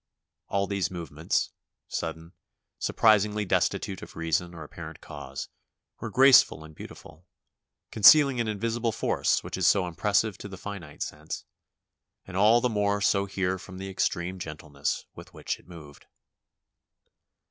All these movements, sudden, surprisingly destitute of reason or apparent cause, were graceful and beautiful, concealing an invisible force which is so impressive to the finite sense, and all the more so here from the extreme gentleness with which it moved.